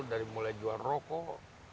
dari mulai jual rokok